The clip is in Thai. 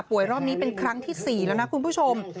รอบนี้เป็นครั้งที่๔แล้วนะคุณผู้ชม